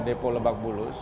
di kawasan stasiun lebak bulus